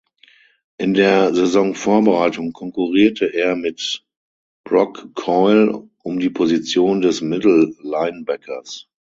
In der Saisonvorbereitung konkurrierte er mit Brock Coyle um die Position des Middle Linebackers.